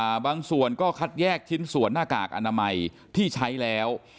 บางส่วนก็คัดแยกชิ้นส่วนหน้ากากอนามัยที่ใช้แล้ว